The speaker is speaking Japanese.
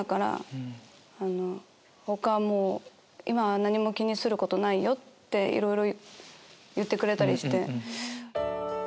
「他はもう今は何も気にすることないよ」っていろいろ言ってくれたりして。